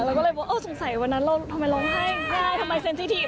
เราก็เลยว่าเอ้าสงสัยวันนั้นเราทำไมร้องไห้ง่ายทำไมเซ็นสิทีฟ